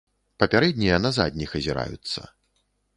Папярэднія на задніх азіраюцца.